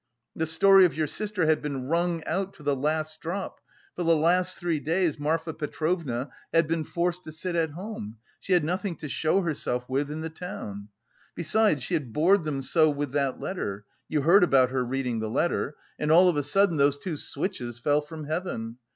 The story of your sister had been wrung out to the last drop; for the last three days Marfa Petrovna had been forced to sit at home; she had nothing to show herself with in the town. Besides, she had bored them so with that letter (you heard about her reading the letter). And all of a sudden those two switches fell from heaven!